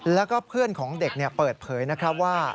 แล้วก็เพื่อนของเด็กเปิดเผยว่า